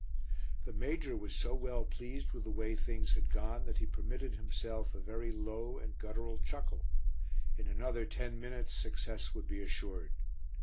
The major was so well pleased with the way things had gone that he permitted himself a very low and guttural chuckle; in another ten minutes success would be assured.